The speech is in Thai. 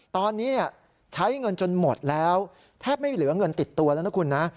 ตอนนี้ใช้เงินจนหมดแล้วแทบไม่เหลือเงินติดตัวแล้วนะคุณนะ